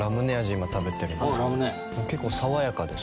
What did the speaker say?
今食べてるんですけど結構爽やかです。